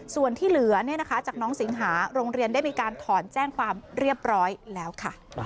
ส่วนที่เหลือจากน้องสิงหาโรงเรียนได้มีการถอนแจ้งความเรียบร้อยแล้วค่ะ